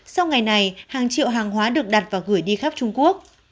sau ngày này hàng triệu hàng hóa được đặt và gửi đi khắp trung quốc